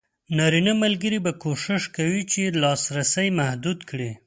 نارینه ملګري به کوښښ کوي چې لاسرسی محدود کړي.